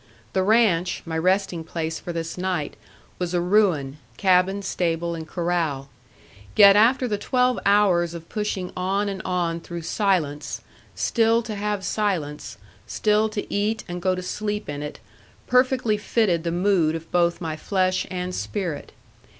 The ranch, my resting place for this night, was a ruin cabin, stable, and corral. Yet after the twelve hours of pushing on and on through silence, still to have silence, still to eat and go to sleep in it, perfectly fitted the mood of both my flesh and spirit.